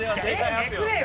Ａめくれよ！